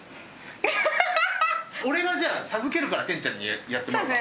俺がじゃあ授けるから天ちゃんにやってもらおうか。